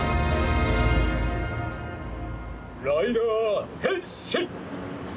ライダー変身！